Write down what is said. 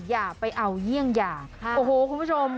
อย่าไปเอาเยี่ยงอย่างโอ้โหคุณผู้ชม